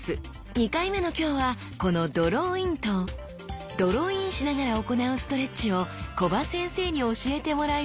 ２回目の今日はこの「ドローイン」とドローインしながら行うストレッチを木場先生に教えてもらいます！